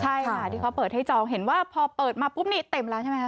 ใช่ค่ะที่เขาเปิดให้จองเห็นว่าพอเปิดมาปุ๊บนี่เต็มแล้วใช่ไหมคะ